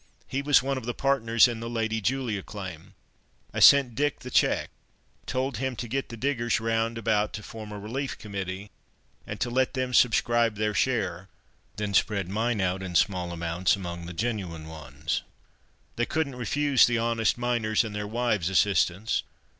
He was one of the partners in the Lady Julia claim. I sent Dick the cheque; told him to get the diggers round about to form a relief committee, and to let them subscribe their share, then spread mine out in small amounts among the genuine ones. They couldn't refuse the honest miners' and their wives' assistance.